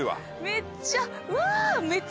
めっちゃ。